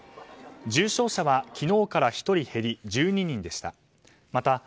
重症者は昨日から１人減り１２人でした。